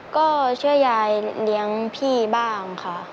ก็เชื่อยายเลี้ยงพี่บ้างค่ะ